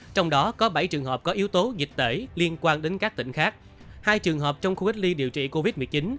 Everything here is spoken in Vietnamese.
trong đó có bảy trường hợp có yếu tố dịch tễ liên quan đến các tỉnh khác hai trường hợp trong khu cách ly điều trị covid một mươi chín